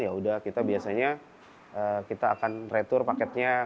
yaudah kita biasanya kita akan retur paketnya